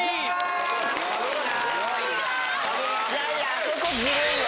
あそこずるいわ！